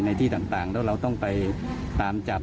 ที่ต่างแล้วเราต้องไปตามจับ